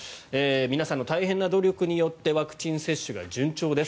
皆さんの大変な努力によってワクチン接種が順調です。